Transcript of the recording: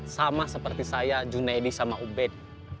sama seperti saya junaidi sama ubed